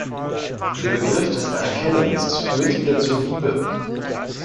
Der Begriff des Erkennens führt wieder zur Liebe.